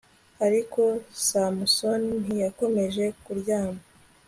ariko samusoni ntiyakomeje kuryama